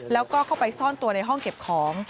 แล้วก็เข้าไปซ่อนตัวในห้องเก็บของ